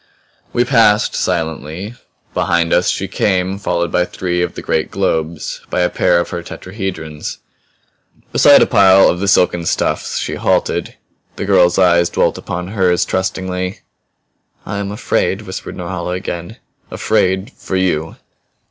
We passed, silently; behind us she came, followed by three of the great globes, by a pair of her tetrahedrons. Beside a pile of the silken stuffs she halted. The girl's eyes dwelt upon hers trustingly. "I am afraid!" whispered Norhala again. "Afraid for you!"